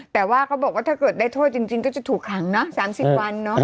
แต่ว่าเขาบอกว่าถ้าเกิดได้โทษจริงก็จะถูกขังนะ๓๐วันเนาะ